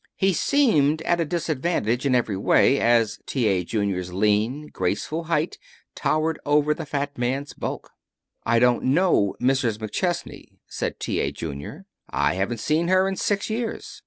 He seemed at a disadvantage in every way, as T. A. Junior's lean, graceful height towered over the fat man's bulk. "I don't know Mrs. McChesney," said T. A. Junior. "I haven't even seen her in six years.